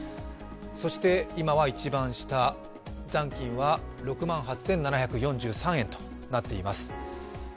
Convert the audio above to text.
そして今は一番下、残金は６万８７４３円となっています。